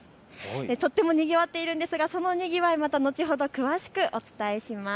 とってもにぎわっているんですがそのにぎわい後ほど詳しくお伝えします。